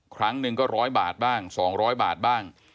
ครั้งนึงก็ร้อยบาทบ้างสองร้อยบาทบ้าง